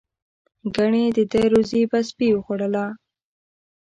ګنې د ده روزي به سپي خوړله.